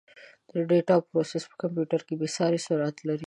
د ډیټا پروسس په کمپیوټر کې بېساري سرعت لري.